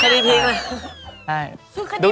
คดีพลิก